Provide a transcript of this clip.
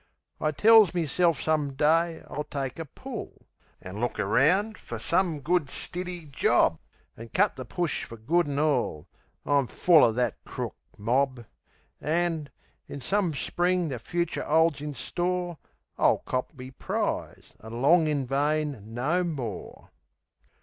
I tells meself some day I'll take a pull An' look eround fer some good, stiddy job, An' cut the push fer good an' all; I'm full Of that crook mob! An', in some Spring the fucher 'olds in store, I'll cop me prize an' long in vain no more.